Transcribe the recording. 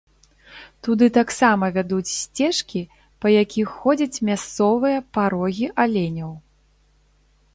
Туды таксама вядуць сцежкі, па якіх ходзяць мясцовыя па рогі аленяў.